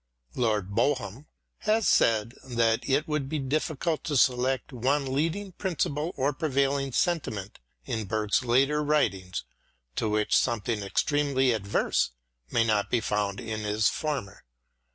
Lord Brougham has said that it would be difficult to select one leading principle or prevailing sentiment in Burke's later writings to which something extremely adverse may not be found in his former.